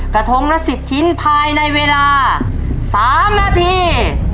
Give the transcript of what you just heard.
กระทงละ๑๐ชิ้นภายในเวลา๓นาที